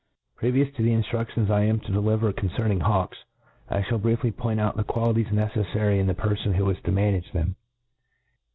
^ PREVIOUS to the inlbruaions I am to de liver concerning hawks, I fhall briefly point out the qualities neceffary in the peribn who is to manage them.